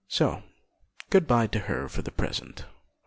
So good bye to her for the present.